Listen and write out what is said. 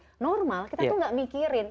kita tuh gak mikirin